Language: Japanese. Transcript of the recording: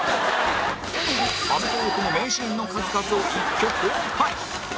『アメトーーク』の名シーンの数々を一挙公開